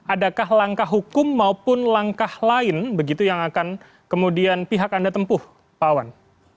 adakah langkah hukum maupun langkah lain begitu yang akan kemudian pihak anda tempuh pak wawan